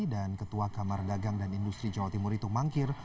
dan ketua kamar dagang dan industri jawa timur itu mangkir